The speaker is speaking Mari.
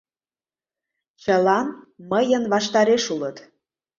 Чылан мыйын ваштареш улыт.